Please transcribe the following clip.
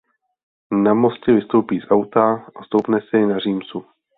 Na mostě vystoupí z auta a stoupne si na římsu.